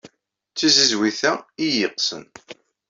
D tiziwit-a ay iyi-yeqqsen.